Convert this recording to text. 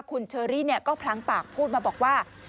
คุณเชอรี่ก็พลั้งปากพูดมาบอกว่า